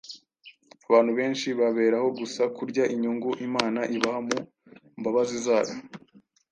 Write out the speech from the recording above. abantu benshi baberaho gusa kurya inyungu Imana ibaha mu mbabazi zayo.